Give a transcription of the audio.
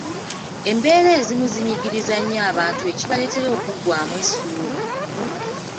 Embeera ezimu zinyigiriza nnyo abantu ekibaleetera okuggwaamu essuubi.